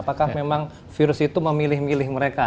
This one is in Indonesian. apakah memang virus itu memilih milih mereka